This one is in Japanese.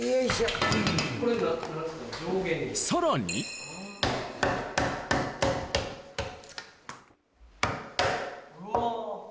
さらにうわ！